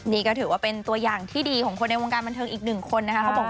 นี่ก็ถือว่าเป็นตัวอย่างที่ดีของคนในวงการบันเทิงอีกหนึ่งคนนะคะ